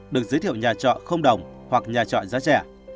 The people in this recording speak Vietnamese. được giới thiệu nhà trọ không đồng hoặc nhà trọ giá rẻ